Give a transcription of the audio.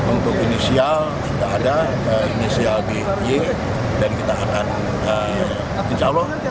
untuk inisial sudah ada inisial di y dan kita akan insya allah